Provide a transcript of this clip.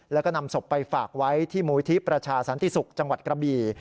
แล้วก็นำศพไปฝากไว้ที่มูลที่ประชาสันติศุกร์จังหวัดกระบี่